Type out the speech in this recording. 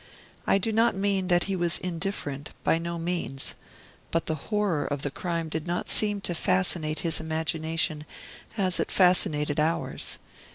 I do not mean that he was indifferent by no means; but the horror of the crime did not seem to fascinate his imagination as it fascinated ours.